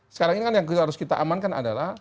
sekarang ini kan yang harus kita amankan adalah